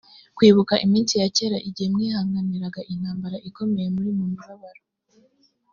kwibuka iminsi ya kera igihe mwihanganiraga intambara ikomeye muri mu mibabaro